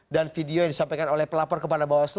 dan video yang disampaikan oleh pelapor kepada bawaslu